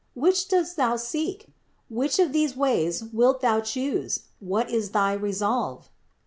Which dost thou seek? Which of these ways wilt thou choose? What is thy resolve